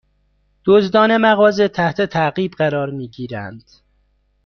دزدان مغازه تحت تعقیب قرار می گیرند